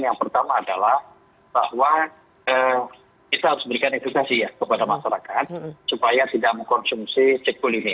yang pertama adalah bahwa kita harus berikan edukasi ya kepada masyarakat supaya tidak mengkonsumsi cekul ini